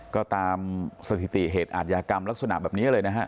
ก็ตามสถิติเหตุอาทยากรรมลักษณะแบบนี้เลยนะฮะ